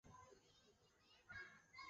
慕容廆后为其在辽西侨置乐浪郡。